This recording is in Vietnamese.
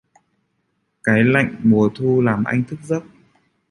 Cái lạnh mùa thu làm anh thức giấc